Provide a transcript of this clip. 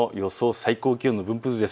最高気温の分布図です。